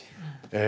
え